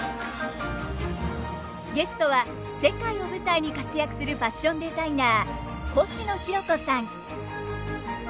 ゲストは世界を舞台に活躍するファッションデザイナーコシノヒロコさん。